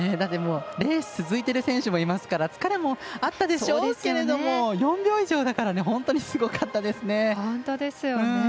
レース続いてる選手もいますから疲れもあったでしょうけれども４秒以上だから本当にすごかったですね。